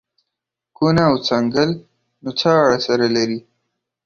کونه او څنگل نو څه اړه سره لري.